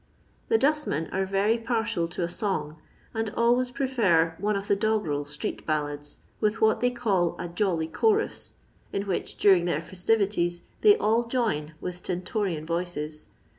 The dustmen are very partial to a song, and always prefer one of the doggrel street ballads, with what they call a jolly chorus " in which, during their festivities, they all join with stento rian voices.